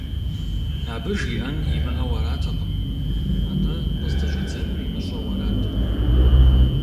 Абы жиӀэн имыӀэу аратэкъым, атӀэ къыздыщӀидзэнур имыщӀэу арат.